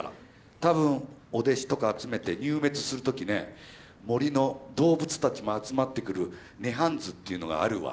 多分お弟子とか集めて入滅する時ね森の動物たちも集まってくる涅槃図っていうのがあるわ。